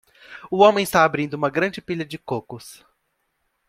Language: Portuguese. O homem está abrindo uma grande pilha de cocos.